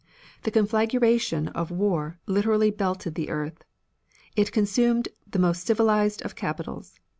The conflagration of war literally belted the earth. It consumed the most civilized of capitals.